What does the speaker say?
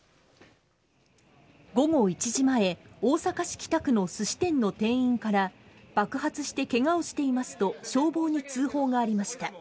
午後１時前大阪市北区のすし店の店員から爆発してケガをしていますと消防に通報がありました。